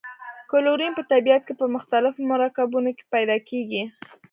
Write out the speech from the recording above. کلورین په طبیعت کې په مختلفو مرکبونو کې پیداکیږي.